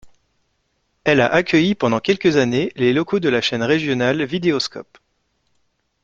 Elle a accueilli pendant quelques années les locaux de la chaîne régionale Vidéoscope.